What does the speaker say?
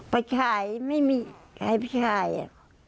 ไปขายไม่มีขายไปขายอ่ะ